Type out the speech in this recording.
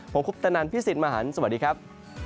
ผมคุปตะนันพี่สิทธิ์มหันฯสวัสดีครับ